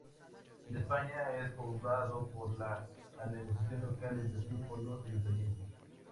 En España es cobrado por la administración local, es decir, por los ayuntamientos.